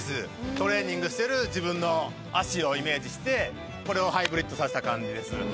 トレーニングしてる自分の足をイメージしてこれをハイブリッドさせた感じです。